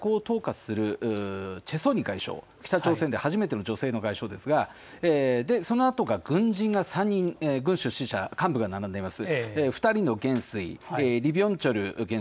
そのあと外交を統括するチェ・ソニ外相、北朝鮮で初めての女性の外相ですがそのあと、軍人がぐんしゅ、ししゃ、幹部が並んでいます。